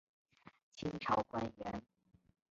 清朝官员。